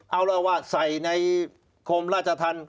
เอาแล้วว่าใส่ในกรมราชธรรม